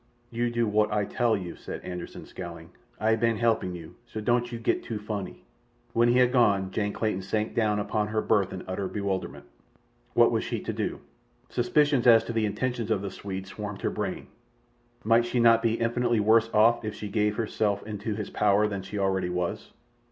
"You do wot Ay tal you," said Anderssen, scowling. "Ay ban halpin' you, so don't you gat too fonny." When he had gone Jane Clayton sank down upon her berth in utter bewilderment. What was she to do? Suspicions as to the intentions of the Swede swarmed her brain. Might she not be infinitely worse off if she gave herself into his power than she already was?